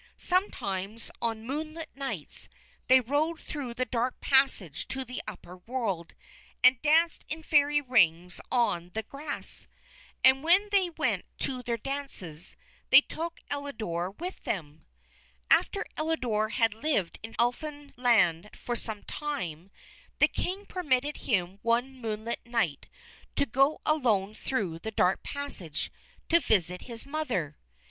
Sometimes on moonlit nights they rode through the dark passage to the upper world, and danced in Fairy Rings on the grass. And when they went to their dances, they took Elidore with them. After Elidore had lived in Elfinland for some time, the King permitted him one moonlit night to go alone through the dark passage to visit his mother.